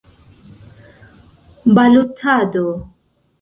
balotado